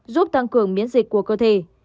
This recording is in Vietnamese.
giúp tăng cường biễn dịch của cơ thể